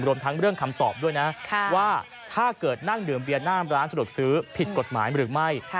ทั้งเรื่องคำตอบด้วยนะว่าถ้าเกิดนั่งดื่มเบียร์หน้าร้านสะดวกซื้อผิดกฎหมายหรือไม่